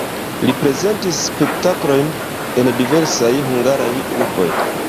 Li prezentis spektaklojn en diversaj hungaraj urboj.